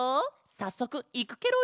さっそくいくケロよ！